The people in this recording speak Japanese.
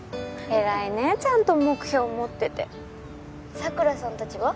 偉いねちゃんと目標持ってて佐倉さん達は？